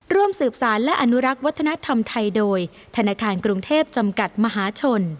ร่วมสืบสารและอนุรักษ์วัฒนธรรมไทยโดยธนาคารกรุงเทพจำกัดมหาชน